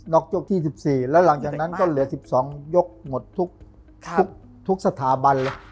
ยกที่๑๔แล้วหลังจากนั้นก็เหลือ๑๒ยกหมดทุกสถาบัน